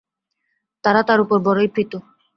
তারা তাঁর উপর বড়ই প্রীত।